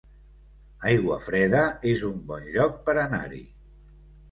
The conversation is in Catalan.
Aiguafreda es un bon lloc per anar-hi